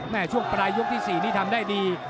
ช่วงปลายยกที่๔นี่ทำได้ดี